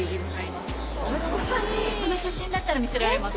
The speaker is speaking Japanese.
この写真だったら見せられます